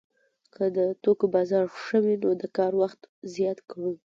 که د توکو بازار ښه وي نو د کار وخت زیات کړي